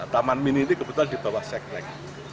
taman mini ini kebetulan di bawah seklek